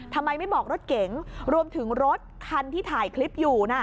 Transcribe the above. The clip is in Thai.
ทำไมไม่บอกรถเก๋งรวมถึงรถคันที่ถ่ายคลิปอยู่นะ